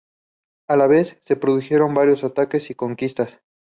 A la vez, se produjeron varios ataques y conquistas.